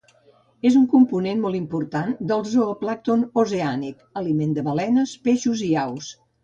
És un component molt important del zooplàncton oceànic, aliment de balenes, peixos i aus.